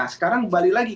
sekarang kembali lagi